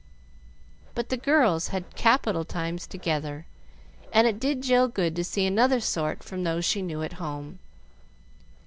But the girls had capital times together, and it did Jill good to see another sort from those she knew at home.